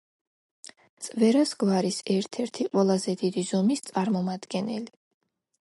წვერას გვარის ერთ-ერთი ყველაზე დიდი ზომის წარმომადგენელი.